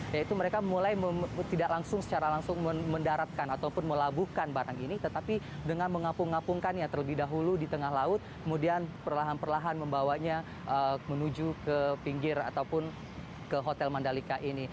yaitu mereka mulai tidak langsung secara langsung mendaratkan ataupun melabuhkan barang ini tetapi dengan mengapung apungkannya terlebih dahulu di tengah laut kemudian perlahan perlahan membawanya menuju ke pinggir ataupun ke hotel mandalika ini